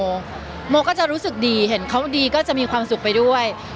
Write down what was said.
โมโมก็จะรู้สึกดีเห็นเขาดีก็จะมีความสุขไปด้วย